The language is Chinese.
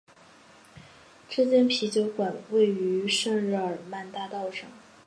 这间啤酒馆位于圣日耳曼大道上。